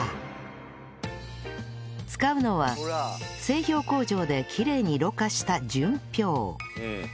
使うのは製氷工場できれいにろ過した純氷